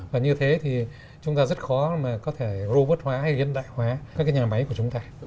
và như thế thì chúng ta rất khó mà có thể robot hóa hay hiện đại hóa các cái nhà máy của chúng ta